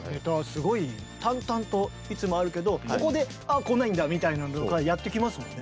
すごい淡々といつもあるけどここであこないんだみたいなのとかやってきますもんね。